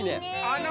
あの。